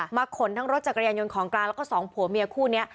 ขนทั้งรถจักรยานยนต์ของกลางแล้วก็สองผัวเมียคู่นี้